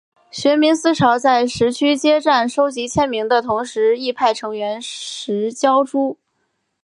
学民思潮在十区街站收集签名的同时亦派成员拾胶珠。